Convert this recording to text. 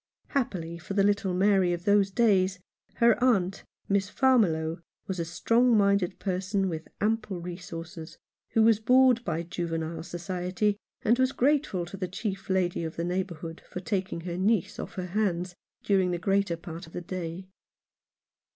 Happily for the little Mary of those days, her aunt, Miss Farmiloe, was a strong minded person with ample resources, who was bored by juvenile society, and was grateful to the chief lady of the neighbourhood for taking her niece off her hands during the greater part of the day.